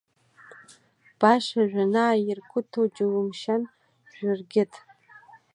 Баша Жәанаа ирқыҭоу џьумшьан Жәыргьыҭ!